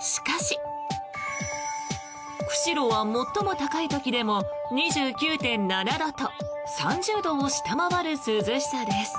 しかし、釧路は最も高い時でも２９．７度と３０度を下回る涼しさです。